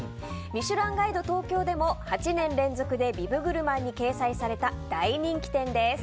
「ミシュランガイド東京」でも８年連続でビブグルマンに掲載された大人気店です。